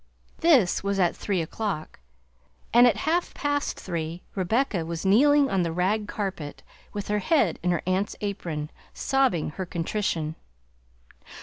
This was at three o'clock, and at half past three Rebecca was kneeling on the rag carpet with her head in her aunt's apron, sobbing her contrition.